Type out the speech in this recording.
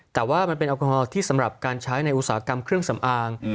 แต่ว่ามันเป็นแอลกอฮอล์ที่สำหรับการใช้ในอุตสาหกรรมเครื่องสำอาง